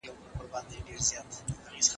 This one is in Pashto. د ژوند ساتنه د ټولو ګډ مسؤلیت دی.